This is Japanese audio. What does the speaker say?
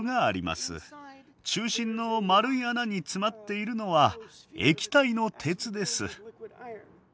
中心の丸い穴に詰まっているのは液体の鉄です。